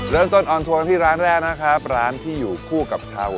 เริ่มต้นออนทัวร์ที่ร้านแรกนะครับร้านที่อยู่คู่กับชาวนี้นะครับ